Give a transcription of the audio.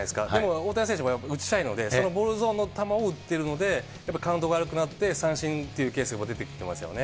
大谷選手も打ちたいので、そのボールゾーンの球を打ってるので、カウント悪くなって、三振っていうケースが出てくるんですよね。